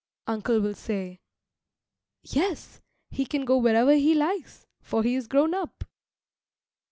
Uncle will say, "Yes, he can go wherever he likes, for he is grown up."